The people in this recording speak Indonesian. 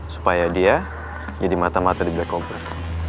supaya dia jadi mata mata di black ops